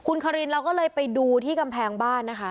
คุณคารินเราก็เลยไปดูที่กำแพงบ้านนะคะ